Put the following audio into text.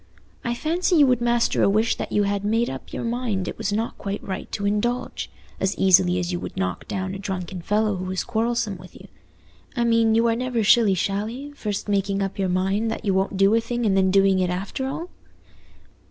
I fancy you would master a wish that you had made up your mind it was not quite right to indulge, as easily as you would knock down a drunken fellow who was quarrelsome with you. I mean, you are never shilly shally, first making up your mind that you won't do a thing, and then doing it after all?"